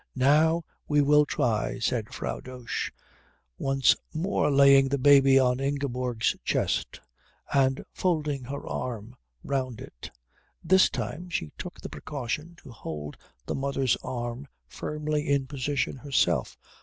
"Now we will try," said Frau Dosch, once more laying the baby on Ingeborg's chest and folding her arm round it. This time she took the precaution to hold the mother's arm firmly in position herself.